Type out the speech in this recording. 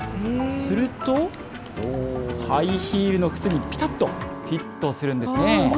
すると、ハイヒールの靴にぴたっとフィットするんですね。